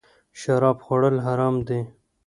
شراب خوړل حرام دی